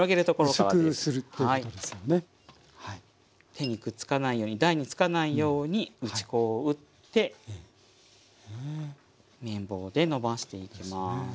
手にくっつかないように台につかないように打ち粉を打って麺棒でのばしていきます。